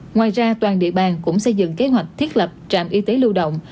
ngoài ra toàn địa bàn cũng xây dựng kế hoạch thiết lập trạm y tế lưu động